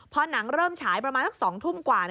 พอหนังเริ่มฉายประมาณสัก๒ทุ่มกว่า